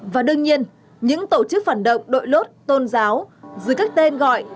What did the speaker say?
và đương nhiên những tổ chức phản động đội lốt tôn giáo dưới các tên gọi